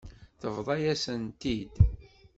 Tebḍa-yasen-t-id.